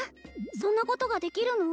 そんなことができるの？